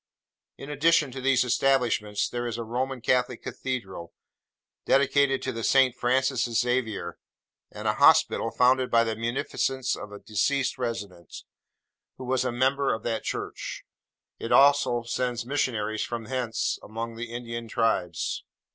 In addition to these establishments, there is a Roman Catholic cathedral, dedicated to Saint Francis Xavier; and a hospital, founded by the munificence of a deceased resident, who was a member of that church. It also sends missionaries from hence among the Indian tribes.